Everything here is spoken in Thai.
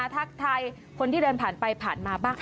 ทักทายคนที่เดินผ่านไปผ่านมาบ้าง